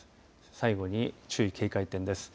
最後に注意、警戒点です。